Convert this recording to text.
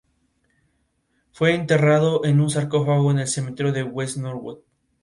Fue enterrado en un sarcófago en el Cementerio de West Norwood.